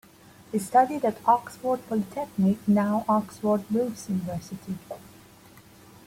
He studied at Oxford Polytechnic, now Oxford Brookes University.